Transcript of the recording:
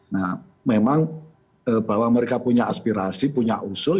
nah memang bahwa mereka punya aspirasi punya usul